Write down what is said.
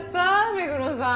目黒さん。